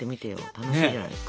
楽しいじゃないですか。